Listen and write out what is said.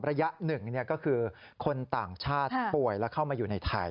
ระยะหนึ่งก็คือคนต่างชาติป่วยแล้วเข้ามาอยู่ในไทย